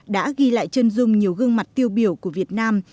đã ghi lại chân dung nhiều gương mặt tiêu biểu của việt nam